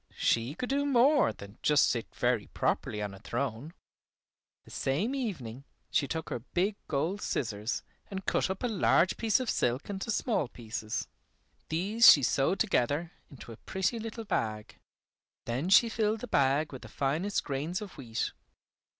She could do more than just sit very properly on a throne. The same evening, she took her big gold scissors and cut up a large piece of silk into small pieces. These she sewed together into a pretty little bag. Then she filled the bag with the finest grains of wheat.